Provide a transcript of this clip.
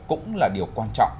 cũng là điều quan trọng